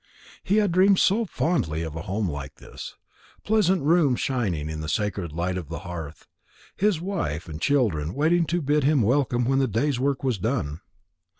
He had dreamed so fondly of a home like this; pleasant rooms shining in the sacred light of the hearth, his wife and children waiting to bid him welcome when the day's work was done.